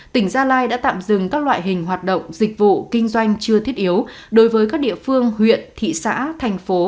tỉnh gia lai đã tạm dừng các loại hình hoạt động dịch vụ kinh doanh chưa thiết yếu đối với các địa phương huyện thị xã thành phố